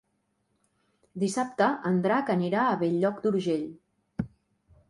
Dissabte en Drac anirà a Bell-lloc d'Urgell.